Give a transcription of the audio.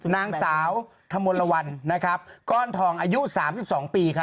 นางสาวถมรวรรณก้อนทองอายุ๓๒ปี